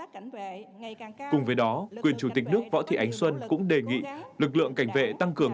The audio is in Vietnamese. cùng với đó quyền chủ tịch nước võ thị ánh xuân cũng đề nghị lực lượng cảnh vệ tăng cường